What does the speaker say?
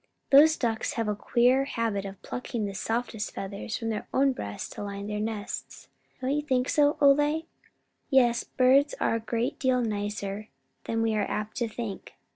"Those ducks have a queer habit of plucking the softest feathers from their own breasts to line their nests. Don't you think so, Ole?" "Yes, birds are a great deal nicer than we are apt to think.